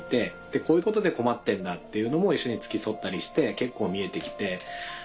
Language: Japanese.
でこういうことで困ってんだっていうのも一緒に付き添ったりして結構見えて来て。